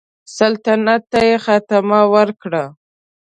سلطنت ته یې خاتمه ورکړه.